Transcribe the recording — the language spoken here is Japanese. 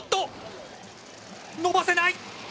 伸ばせない！